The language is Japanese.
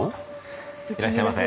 いらっしゃいませ。